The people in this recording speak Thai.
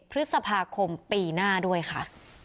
พฤษภาคมปีหน้าด้วยค่ะ